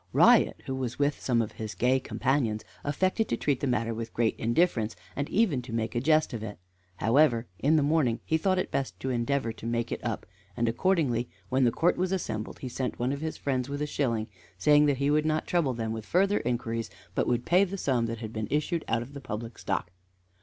Riot, who was with some of his gay companions, affected to treat the matter with great indifference, and even to make a jest of it. However, in the morning he thought it best to endeavor to make it up, and accordingly, when the court was assembled, he sent one of his friends with a shilling, saying that he would not trouble them with further inquiries, but would pay the sum that had been issued out of the public stock.